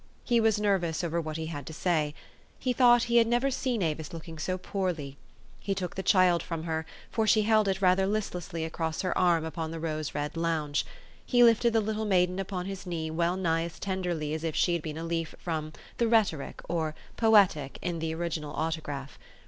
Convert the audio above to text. He was nervous over what he had to say. He thought he had never seen Avis looking so poor 312 THE STORY OF AVIS. ly. He took the child from her, for she held it rather listlessly across her arm upon the rose red lounge: he lifted the little maiden upon his knee well nigh as tenderly as if she had been a leaf from the " Rhetoric "or " Poetic " in the original auto graph.